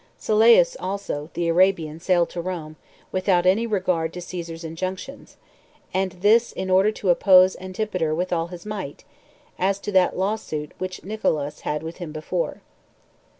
3. Sylleus also, the Arabian, sailed to Rome, without any regard to Caesar's injunctions, and this in order to oppose Antipater with all his might, as to that law suit which Nicolaus had with him before.